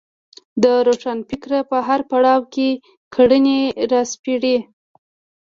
روښانفکر په هر پړاو کې کړنې راسپړي